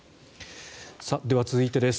では、続いてです。